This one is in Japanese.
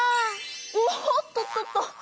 おっとっとっと。